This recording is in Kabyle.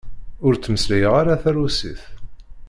Ur ttmeslayeɣ ara tarusit.